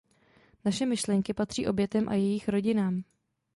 Naše myšlenky patří obětem a jejich rodinám.